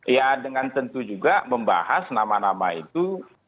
ya dengan tentu juga membahas nama nama itu